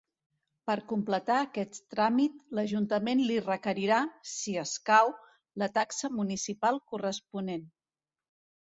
Per completar aquest tràmit l'ajuntament li requerirà, si escau, la taxa municipal corresponent.